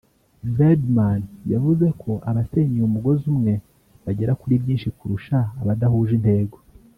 Birdman yavuze ko abasenyeye umugozi umwe bagera kuri byinshi kurusha abadahuje intego